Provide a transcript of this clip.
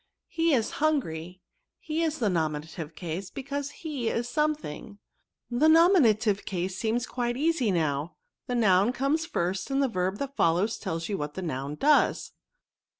He is hungry ; he is the nominative case, because he is NOUNS. 139 something* The nominative case seems quite easy now ; the noun comes first, and the verb that follows tells you what the noun does."